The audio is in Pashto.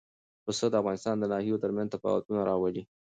پسه د افغانستان د ناحیو ترمنځ تفاوتونه راولي.